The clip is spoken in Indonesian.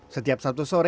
setiap sabtu sore